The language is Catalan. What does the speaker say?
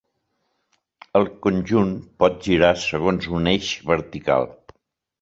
El conjunt pot girar segons un eix vertical.